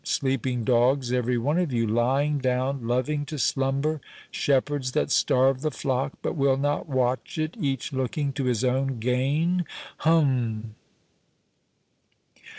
Sleeping dogs every one of you, lying down, loving to slumber—shepherds that starve the flock but will not watch it, each looking to his own gain—hum."